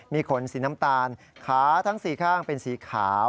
มีขนสีน้ำตาลขาทั้ง๔ข้างเป็นสีขาว